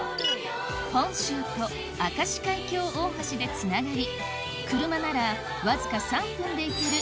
本州と明石海峡大橋でつながり車ならわずか３分で行ける